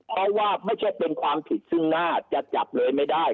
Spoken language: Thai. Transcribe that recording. เพราะว่าไม่ใช่เป็นความผิดซึ่งหน้าจะจับเลยไม่ได้